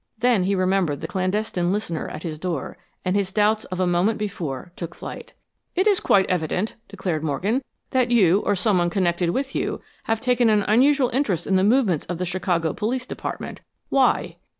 Then he remembered the clandestine listener at his door, and his doubts of a moment before took flight. "It is quite evident," declared Morgan, "that you, or someone connected with you, have taken an unusual interest in the movements of the Chicago Police Department. Why?"